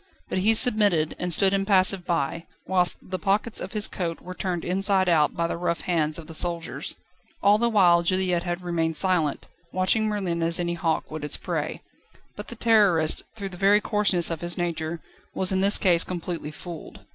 But he submitted, and stood impassive by, whilst the pockets of his coat were turned inside out by the rough hands of the soldiers. All the while Juliette had remained silent, watching Merlin as any hawk would its prey. But the Terrorist, through the very coarseness of his nature, was in this case completely fooled.